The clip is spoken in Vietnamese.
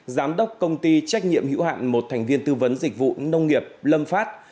giám đốc công ty trách nhiệm hữu hạn một thành viên tư vấn dịch vụ nông nghiệp lâm phát